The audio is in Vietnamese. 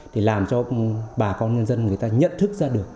thì làm cho bà con nhân dân người ta nhận thức ra được